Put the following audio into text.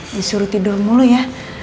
disuruh tidur mulu ya